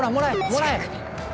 もらえ！